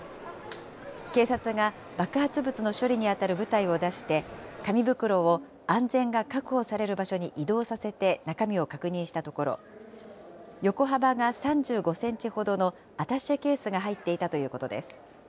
警察が爆発物の処理に当たる部隊を出して、紙袋を安全が確保される場所に移動させて中身を確認したところ、横幅が３５センチほどのアタッシェケースが入っていたということです。